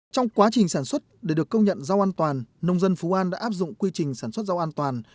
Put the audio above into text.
trong quá trình sản xuất để được công nhận rau an toàn nông dân phú an đã áp dụng quy trình sản xuất rau an toàn